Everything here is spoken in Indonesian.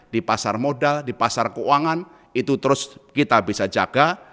di pasar modal di pasar keuangan itu terus kita bisa jaga